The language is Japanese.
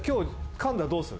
「かんだらどうする？」